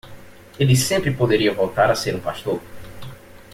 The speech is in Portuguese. Ele sempre poderia voltar a ser um pastor.